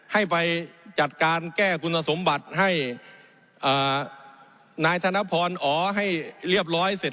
ให้ไปจัดการแก้คุณสมบัติให้นายธนพรอ๋อให้เรียบร้อยเสร็จ